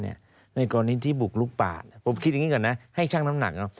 ในกรณีที่บุกลุกป่าผมคิดอย่างนี้ก่อนนะให้ช่างน้ำหนัก